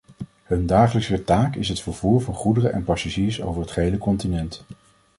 Hun dagelijkse taak is het vervoer van goederen en passagiers over het gehele continent.